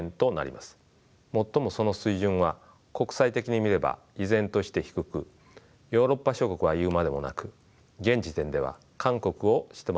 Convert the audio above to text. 最もその水準は国際的に見れば依然として低くヨーロッパ諸国は言うまでもなく現時点では韓国を下回っています。